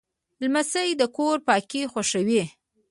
لمسی د کور پاکي خوښوي.